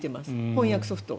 翻訳ソフト。